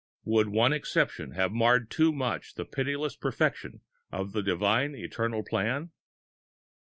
Would one exception have marred too much the pitiless perfection of the divine, eternal plan?